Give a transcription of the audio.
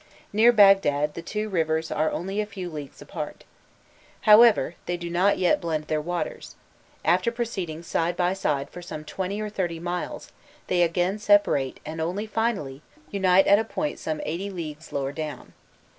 Near Bagdad the two rivers are only a few leagues apart. However, they do not yet blend their waters; after proceeding side by side for some twenty or thirty miles, they again separate and only finally; unite at a point some eighty leagues lower down.